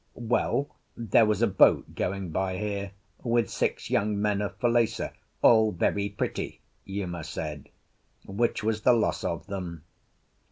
Well, there was a boat going by here, with six young men of Falesá, "all very pretty," Uma said, which was the loss of them.